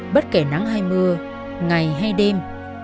bất kể nắng hay mưa ngày hay đêm